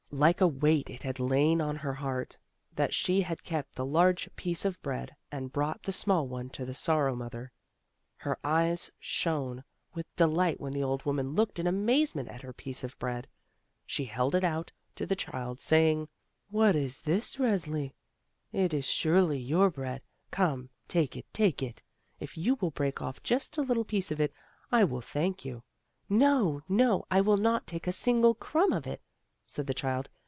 Like a weight it had lain on her heart, that she had kept the large piece of bread and brought the small one to the Sorrow mother; Her eyes shone with delight when the old woman looked in amazement at her piece of bread. She held it out to the child, saying: "What is this, Resli? It is siu ely your bread; come take it, take it! If you will break off just a little piece of it, I will thank youl" "No, no, I will not take a single crumb of it," said the child.